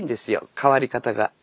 変わり方が。